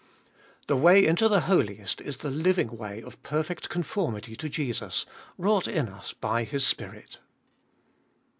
The way into the Holiest is the living way of perfect conformity to Jesus, wrought in us by His Spirit.